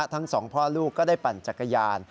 ทั้งสองพ่อลูกก็ได้ปั่นจักรยาน